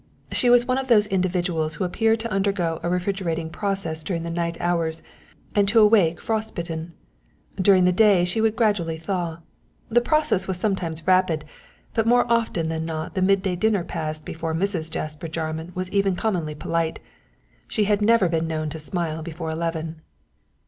She was one of those individuals who appear to undergo a refrigerating process during the night hours and to awake frost bitten. During the day she would gradually thaw. The process was sometimes rapid, but more often than not the midday dinner passed before Mrs. Jasper Jarman was even commonly polite. She had never been known to smile before eleven.